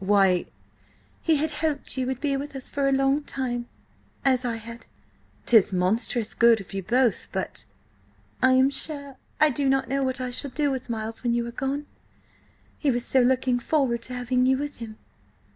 "Why—" "He had hoped you would be with us for a long time–as I had." "'Tis monstrous good of you both, but—" "I am sure I do not know what I shall do with Miles when you are gone. He was so looking forward to having you with him."